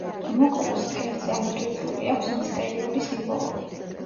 მოკლულს მკერდზე ამოტვიფრული აქვს მისტერიული სიმბოლო.